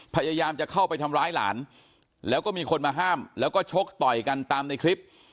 พยายามจะเข้าไปทำร้ายหลานแล้วก็มีคนมาห้ามแล้วก็ชกต่อยกันตามในคลิป